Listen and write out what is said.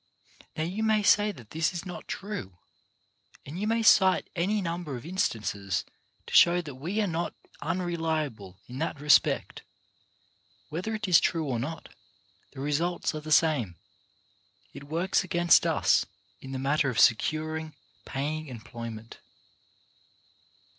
Now you may say that this is not true, and you may cite any number of instances to show that we are not unreliable in that respect ; whether it is true or not, the results are the same ;— it works against us in the matter of securing paying employment.